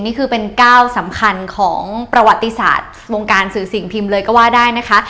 นี่คือเป็นก้าวสำคัญของประวัติศาสตร์วงการสื่อสิ่งพิมพ์เลยก็ว่าได้นะคะ